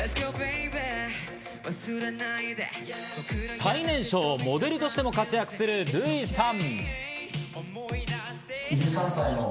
最年少、モデルとしても活躍するルイさん。